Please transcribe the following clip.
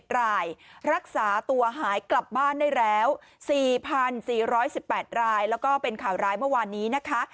๗รายรักษาตัวหายกลับบ้านได้แล้ว๔๔๑๘รายแล้วก็เป็นข่าวร้ายเมื่อวานนี้นะคะ